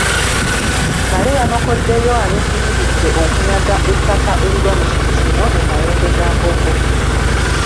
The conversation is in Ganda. Male yanokoddeyo abeefunyiridde okunyaga ettaka erigwa mu kiti kino e Mayembegambogo.